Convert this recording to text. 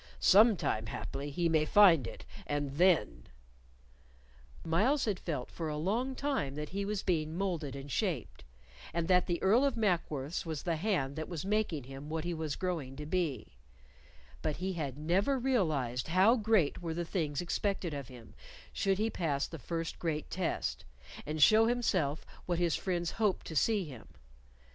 Some time, haply, he may find it, and then " Myles had felt for a long time that he was being moulded and shaped, and that the Earl of Mackworth's was the hand that was making him what he was growing to be; but he had never realized how great were the things expected of him should he pass the first great test, and show himself what his friends hoped to see him.